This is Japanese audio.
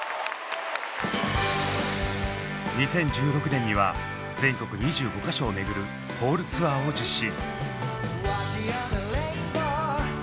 ２０１６年には全国２５か所を巡るホールツアーを実施。